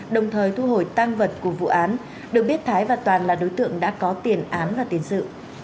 đồng thời thu hồi tăng vật của vụ án được biết thái và toàn là đối tượng đã có tiền án và tiền sự